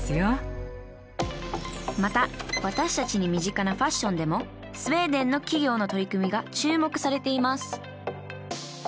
また私たちに身近なファッションでもスウェーデンの企業の取り組みが注目されています。